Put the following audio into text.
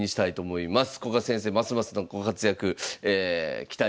古賀先生ますますのご活躍期待しております。